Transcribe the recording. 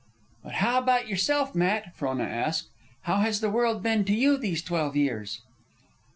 "But how about yourself, Matt?" Frona asked. "How has the world been to you these twelve years?"